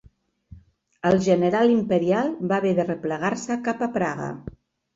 El general imperial va haver de replegar-se cap a Praga.